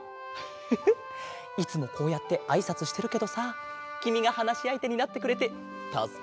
フフッいつもこうやってあいさつしてるけどさきみがはなしあいてになってくれてたすかってるよ。